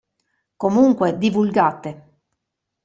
Comunque, divulgate.